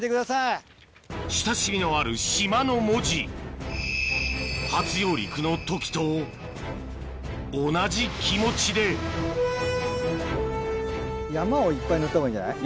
親しみのある島の文字初上陸の時と同じ気持ちで山をいっぱい塗ったほうがいいんじゃない？